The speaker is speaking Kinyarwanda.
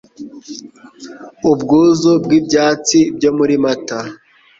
Ubwuzu bw'ibyatsi byo muri Mata,